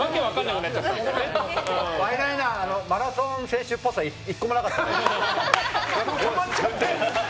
ワイナイナマラソン選手っぽさ１個もなかったね。